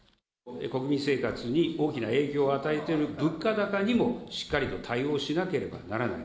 国民生活に大きな影響を与えてる物価高にもしっかりと対応しなければならない。